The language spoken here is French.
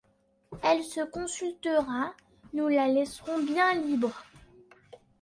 Elle se consultera, nous la laisserons bien libre.